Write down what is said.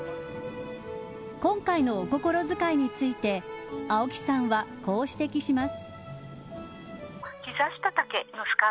今回のお心遣いについて青木さんは、こう指摘します。